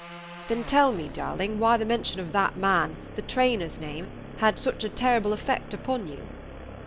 "Then tell me, darling, why the mention of that man, the trainer's name, had such a terrible effect upon you."